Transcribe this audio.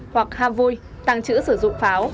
hoặc ham vui tàng trữ sử dụng pháo